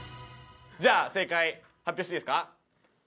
じゃあ正解発表していいですか？